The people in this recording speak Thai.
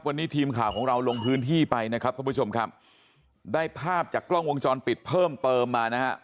วันนี้ทีมข่าวของเราลงพื้นที่ไปนะครับท่านผู้ชมครับได้ภาพจากกล้องวงจรปิดเพิ่มเติมมานะฮะ